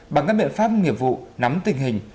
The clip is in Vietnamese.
bằng các biện pháp nghiệp vụ nắm tình hình